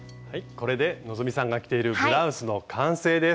これで希さんが着ているブラウスの完成です。